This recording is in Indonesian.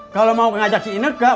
kalau mau ngajak si inegar